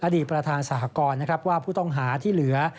อดีตประธานสหกรนะครับว่าผู้ต้องหาที่เหลือ